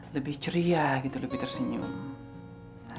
lebih ceria gitu lebih tersenyum